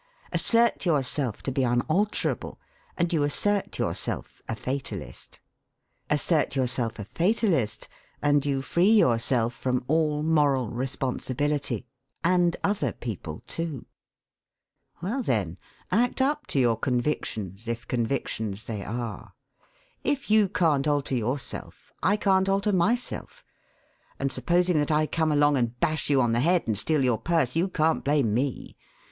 Assert yourself to be unalterable, and you assert yourself a fatalist. Assert yourself a fatalist, and you free yourself from all moral responsibility and other people, too. Well, then, act up to your convictions, if convictions they are. If you can't alter yourself, I can't alter myself, and supposing that I come along and bash you on the head and steal your purse, you can't blame me.